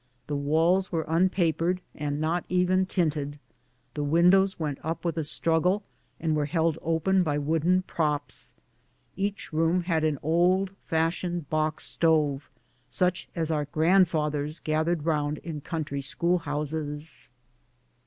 The walls were un GENERAL CUSTER'S LIBRARY. 175 papered, and not even tinted ; the windows went up with a struggle, and were held open by wooden props. Each room had an old fashioned box stove, such as our grandfathers gathered round in country school houses.